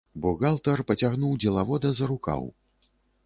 Бухгалтар пацягнуў дзелавода за рукаў.